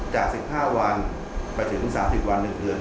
จาก๑๕วันไปถึง๓๐วัน๑เดือน